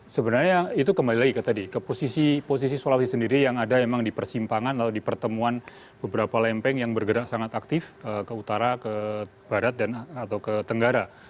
sebenarnya itu kembali lagi ke tadi ke posisi sulawesi sendiri yang ada memang di persimpangan atau di pertemuan beberapa lempeng yang bergerak sangat aktif ke utara ke barat atau ke tenggara